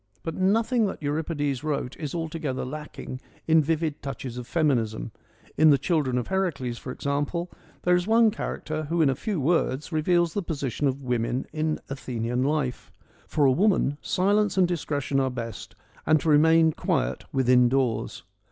But nothing that Euripides wrote is altogether lacking in vivid touches of feminism. In the Children of Heracles, for example, there is one character who in a few words reveals the position of women in Athenian life : 1 For a woman silence and discretion are best, and to remain quiet within doors.'